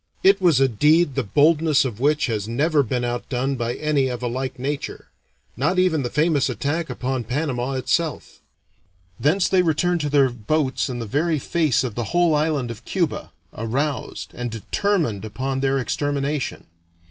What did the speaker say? It was a deed the boldness of which has never been outdone by any of a like nature not even the famous attack upon Panama itself. Thence they returned to their boats in the very face of the whole island of Cuba, aroused and determined upon their extermination.